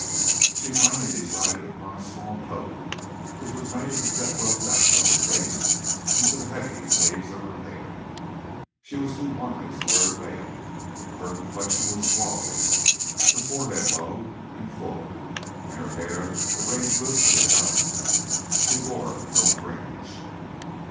She finally decided upon a small toque which was made to set well back from her face into the heavy waves of her hair. She was too wise to wear a veil, for her complexion was flawless, her forehead low and full, and her hair arranged loosely about it; she wore no fringe.